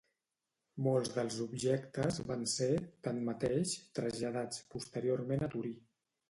Molts dels objectes van ser, tanmateix, traslladats posteriorment a Torí.